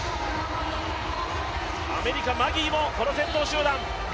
アメリカ、マギーもこの先頭集団。